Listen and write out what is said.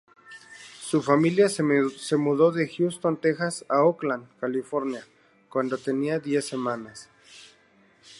Su familia se mudó de Houston, Texas, a Oakland, California cuando tenía diez semanas.